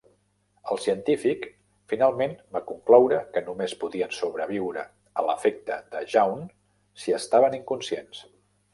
El científic finalment va concloure que només podien sobreviure a "l'efecte de Jaunt", si estaven inconscients.